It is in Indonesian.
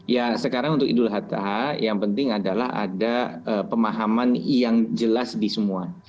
ya sekarang untuk idul adha yang penting adalah ada pemahaman yang jelas di semua